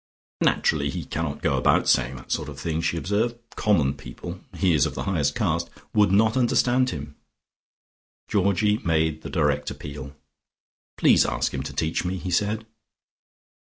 "Naturally he cannot go about saying that sort of thing," she observed. "Common people he is of the highest caste would not understand him." Georgie made the direct appeal. "Please ask him to teach me," he said.